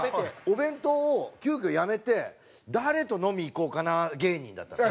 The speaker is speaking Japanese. お弁当を急きょやめて誰と呑みに行こうかな芸人だったの。